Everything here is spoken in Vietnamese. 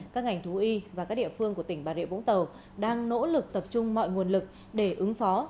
các ngành thú y và các địa phương của tỉnh bà rịa vũng tàu đang nỗ lực tập trung mọi nguồn lực để ứng phó